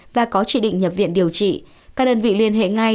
và có chỉ định nhập viện điều trị các đơn vị liên hệ ngay